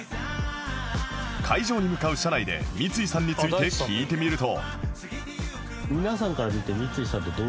会場に向かう車内で三井さんについて聞いてみると